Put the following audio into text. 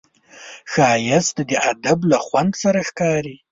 ښایست د ادب له خوند سره ښکاري